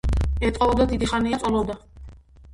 ეტყობოდა, დიდი ხანია წვალობდა.